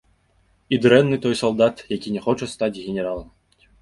І дрэнны той салдат, які не хоча стаць генералам.